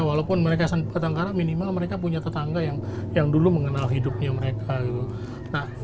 walaupun mereka batangkara minimal mereka punya tetangga yang dulu mengenal hidupnya mereka